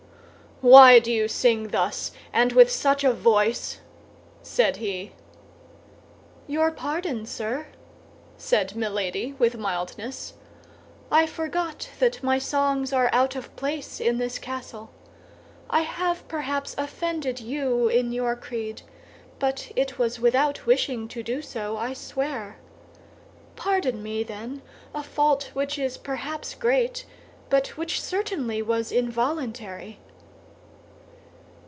"Why do you sing thus, and with such a voice?" said he. "Your pardon, sir," said Milady, with mildness. "I forgot that my songs are out of place in this castle. I have perhaps offended you in your creed; but it was without wishing to do so, I swear. Pardon me, then, a fault which is perhaps great, but which certainly was involuntary."